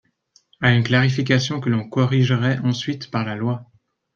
à une clarification que l’on corrigerait ensuite par la loi.